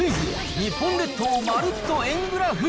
日本列島まるっと円グラフ。